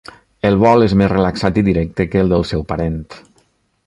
El vol és més relaxat i directe que el del seu parent.